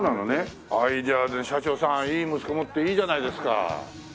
じゃあ社長さんいい息子持っていいじゃないですか。